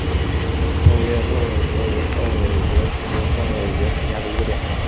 厚叶凤尾蕨为凤尾蕨科凤尾蕨属下的一个种。